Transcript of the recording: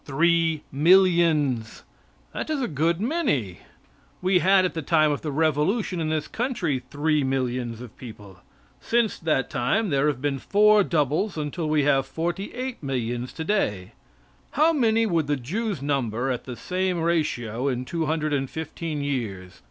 Three millions. That is a good many. We had at the time of the Revolution in this country three millions of people. Since that time there have been four doubles, until we have forty eight millions today. How many would the Jews number at the same ratio in two hundred and fifteen years?